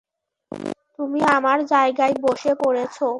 তুমি আমার জায়গায় বসে পড়েছ।